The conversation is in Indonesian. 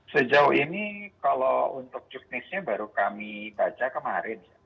sejauh ini kalau untuk juknisnya baru kami baca kemarin